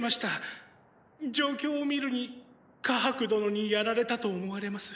状況を見るにカハクどのにやられたと思われます。